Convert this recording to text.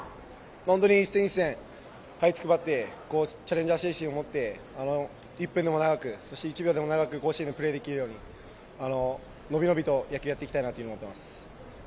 本当に一戦一戦、はいつくばってチャレンジャー精神を持って一分でも長くそして、１秒でも長く甲子園でプレーできるように伸び伸びと野球をやっていきたいと思います。